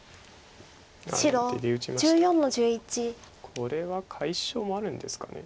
これは解消もあるんですかね。